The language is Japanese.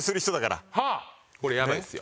これやばいっすよ。